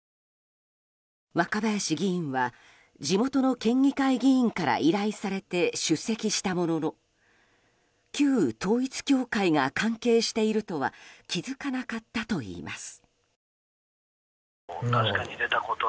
若林議員は地元の県議会議員から依頼されて出席したものの旧統一教会が関係しているとは気づかなかったと言います。